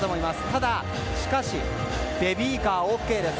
ただしかし、ベビーカーＯＫです。